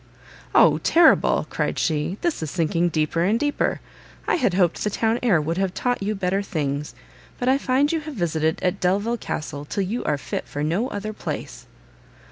"O terrible!" cried she, "this is sinking deeper and deeper. I had hoped the town air would have taught you better things; but I find you have visited at Delvile Castle till you are fit for no other place."